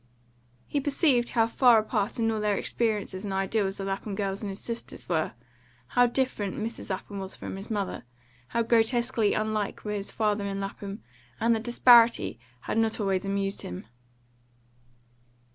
He perceived how far apart in all their experiences and ideals the Lapham girls and his sisters were; how different Mrs. Lapham was from his mother; how grotesquely unlike were his father and Lapham; and the disparity had not always amused him.